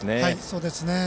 そうですね。